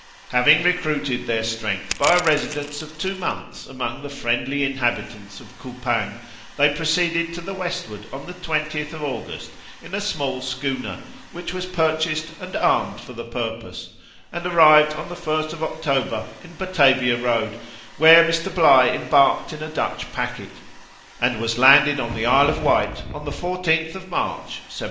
Having recruited their strength by a residence of two months among the friendly inhabitants of Coupang, they proceeded to the westward on the 20th August in a small schooner, which was purchased and armed for the purpose, and arrived on the 1st October in Batavia Road, where Mr. Bligh embarked in a Dutch packet, and was landed on the Isle of Wight on the 14th March, 1790.